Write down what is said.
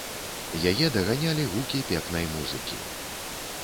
Яе даганялі гукі пекнай музыкі.